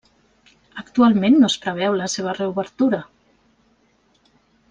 Actualment no es preveu la seva reobertura.